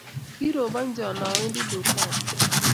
kirobonjon awendi dukani